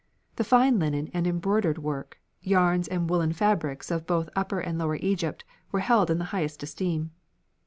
The fine linen and embroidered work, yarns and woollen fabrics of both upper and lower Egypt, were held in the highest esteem.